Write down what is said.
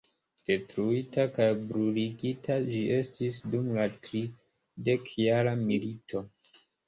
Detruita kaj bruligita ĝi estis dum la tridekjara milito.